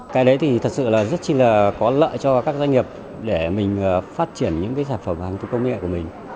cái đấy thì thật sự là rất là có lợi cho các doanh nghiệp để mình phát triển những sản phẩm hàng thủ công nghệ của mình